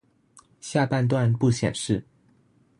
下半段不顯示